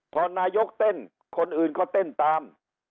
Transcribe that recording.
พอนายกเต้นคนอื่นก็เต้นตาม